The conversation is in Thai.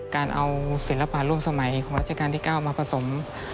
การเอาศิลปะร่วมสมัยของราชการที่๙มาผสม